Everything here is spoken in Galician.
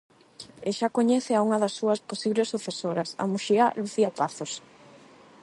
E xa coñece á unha das súas posibles sucesoras, a muxiá Lucía Pazos.